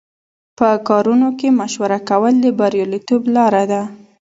په کارونو کې مشوره کول د بریالیتوب لاره ده.